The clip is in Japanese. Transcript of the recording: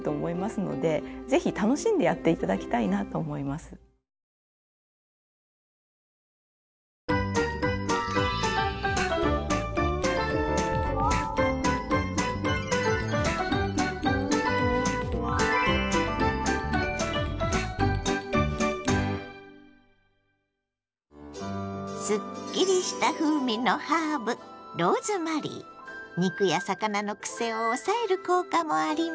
すっきりした風味のハーブ肉や魚のクセを抑える効果もあります。